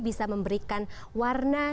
bisa memberikan warna